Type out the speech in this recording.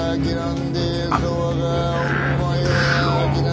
ん？